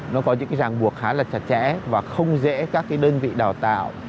nó có những ràng buộc khá là chặt chẽ và không dễ các đơn vị đào tạo